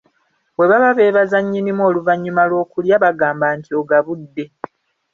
Bwe baba beebaza nnyinimu oluvannyuma lw'okulya bagamba nti ogabudde.